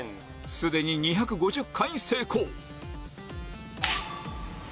既に２５０回成功！